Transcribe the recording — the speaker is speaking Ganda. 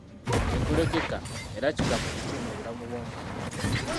Tekulekeka, era kigambo kikulu mu bulamu bw'omuntu.